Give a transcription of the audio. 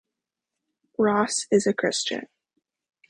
Ross is a Christian.